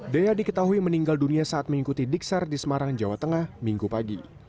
dea diketahui meninggal dunia saat mengikuti diksar di semarang jawa tengah minggu pagi